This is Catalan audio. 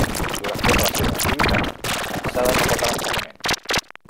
Durant tota la seva activitat, s'ha dedicat a l'ensenyament.